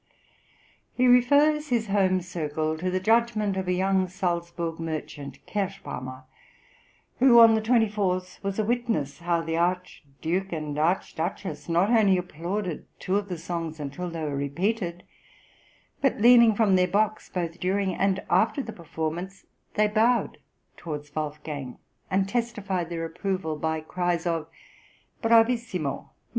He refers his home circle to the judgment of a young Salzburg merchant, Kerschbaumer, "who, on the 24th, was a witness how the Archduke and Archduchess not only applauded two of the songs until they were repeated, but leaning from their box, both during and after the performance, they bowed towards Wolfgang, and testified their approval by cries of 'Bravissimo!